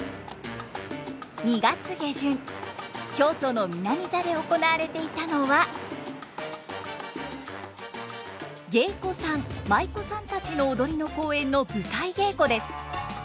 ２月下旬京都の南座で行われていたのは芸妓さん舞妓さんたちの踊りの公演の舞台稽古です。